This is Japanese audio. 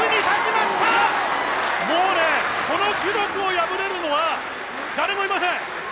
もうね、この記録を破れるのは誰もいません。